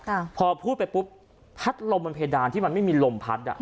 อ่าพอพูดไปปุ๊บพัดลมบนเพดานที่มันไม่มีลมพัดอ่ะ